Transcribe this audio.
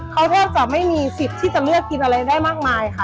เขาแทบจะไม่มีสิทธิ์ที่จะเลือกกินอะไรได้มากมายค่ะ